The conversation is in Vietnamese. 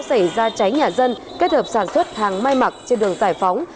xảy ra cháy nhà dân kết hợp sản xuất hàng may mặc trên đường giải phóng